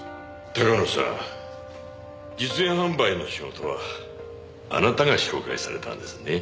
高野さん実演販売の仕事はあなたが紹介されたんですね？